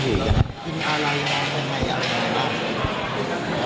มีอะไรอยู่อย่างไรอย่างไร